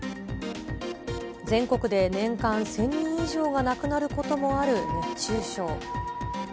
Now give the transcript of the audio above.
全国で年間１０００人以上が亡くなることもある熱中症。